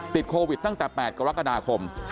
ติดโควิดตั้งแต่๘กรกฎาคม